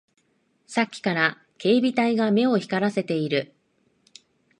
さっきから警備隊が目を光らせている